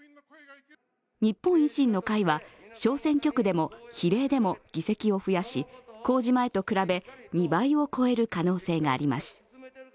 日本維新の会は、小選挙区でも比例でも議席を増やし公示前と比べ、２倍を超える可能性があります。